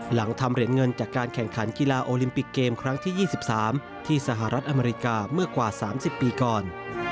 หลังทำเหรียญเงินจากการแข่งขันกีฬาโอลิมปิกเกมครั้งที่๒๓ที่สหรัฐอเมริกาเมื่อกว่า๓๐ปีก่อน